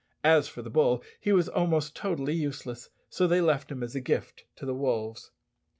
As for the bull, he was almost totally useless, so they left him as a gift to the wolves.